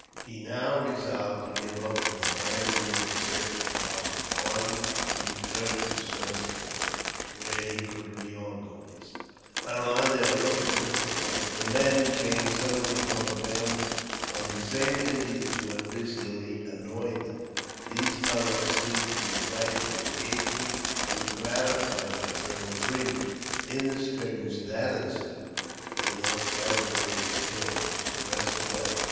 He now resolved to give up for the time being his search for Talbot's party and return to Sutter's Fort, where he could reorganize. While on their road to the Fort, the men came suddenly upon a band of the same Indians who had recently annoyed them. These fellows seemed to invite an engagement, and were gratified by Col. Fremont. In the skirmish that ensued, they lost five warriors killed. The rest fled.